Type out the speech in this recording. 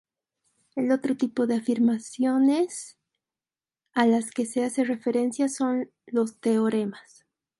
El otro tipo de afirmaciones a las que se hace referencia son los teoremas.